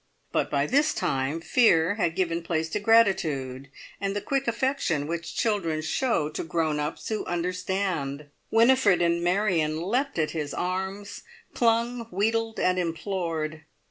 But by this time fear had given place to gratitude and the quick affection which children show to grown ups who understand! Winifred and Marion leapt at his arms, clung, wheedled, and implored.